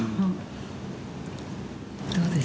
どうです？